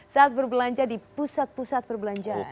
saat berbelanja di pusat pusat perbelanjaan